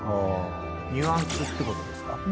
ニュアンスってことですか？